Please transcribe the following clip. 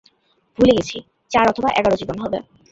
ভুলে গেছি, চার অথবা এগারো জীবন হবে।